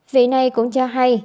vị này cũng cho hay